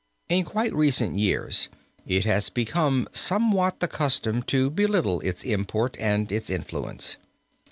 In quite recent years it has become somewhat the custom to belittle its import and its influence.